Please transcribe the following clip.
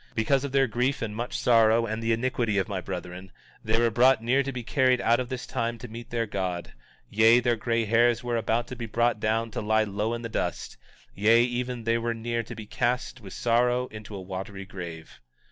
18:18 Because of their grief and much sorrow, and the iniquity of my brethren, they were brought near even to be carried out of this time to meet their God; yea, their grey hairs were about to be brought down to lie low in the dust; yea, even they were near to be cast with sorrow into a watery grave.